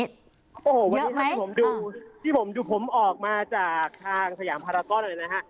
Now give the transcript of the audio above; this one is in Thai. โอ้โหวันนี้ที่ผมดูที่ผมดูผมออกมาจากทางสยามพาราต้อนเนี่ยนะคะ